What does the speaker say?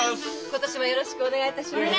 今年もよろしくお願いいたします。